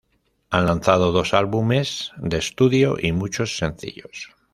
Han lanzado dos álbumes de estudio y muchos sencillos.